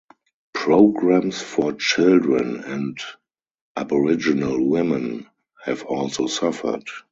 Programs for children and Aboriginal women have also suffered.